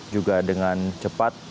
juga dengan cepat